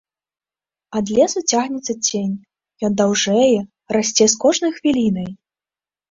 Ад лесу цягнецца цень, ён даўжэе, расце з кожнай хвілінай.